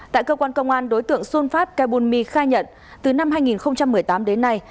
tại cơ quan công an đối tượng sunfat kebunwi khai nhận từ năm hai nghìn một mươi tám đến nay